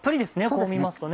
こう見ますとね。